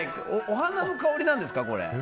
お花の香りなんですか？